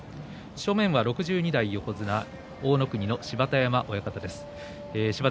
正面は６２代横綱大乃国の芝田山親方です。